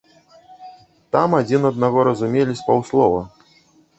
Там адзін аднаго разумелі з паўслова.